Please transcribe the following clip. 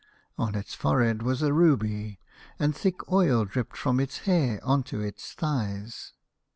On its forehead was a ruby, and thick oil dripped from its hair on to its thighs.